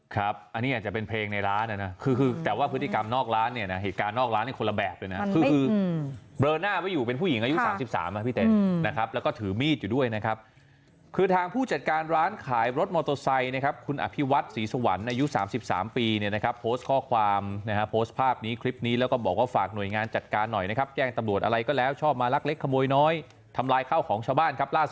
ครับอันนี้จะเป็นเพลงในร้านนะคือแต่ว่าพฤติกรรมนอกร้านเนี่ยนะเหตุการณ์นอกร้านคนละแบบเลยนะคือเบลอหน้าว่าอยู่เป็นผู้หญิงอายุ๓๓นะครับแล้วก็ถือมีดอยู่ด้วยนะครับคือทางผู้จัดการร้านขายรถมอเตอร์ไซค์นะครับคุณอภิวัตรศรีสวรรค์อายุ๓๓ปีเนี่ยนะครับโพสต์ข้อความโพสต์ภาพนี้คลิปนี้แล้วก็บอก